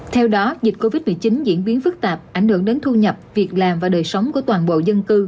theo đó dịch covid một mươi chín diễn biến phức tạp ảnh hưởng đến thu nhập việc làm và đời sống của toàn bộ dân cư